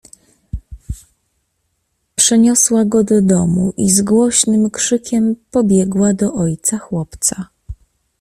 "Przeniosła go do domu i z głośnym krzykiem pobiegła do ojca chłopca."